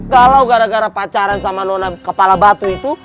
kalau gara gara pacaran sama nona kepala batu itu